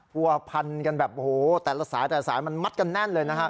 กลัวพันธุ์กันแบบแต่ละสายแต่ละสายมันมัดกันแน่นเลย